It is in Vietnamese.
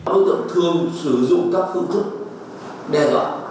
đối tượng thường sử dụng các phương thức đe dọa